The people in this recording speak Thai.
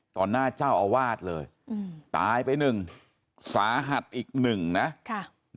หน้าเจ้าอาวาสเลยอืมตายไปหนึ่งสาหัสอีกหนึ่งนะค่ะ